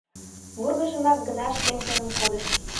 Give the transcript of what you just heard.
Вургыжымак гына шкенжыным кодыш.